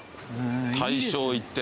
大正行って。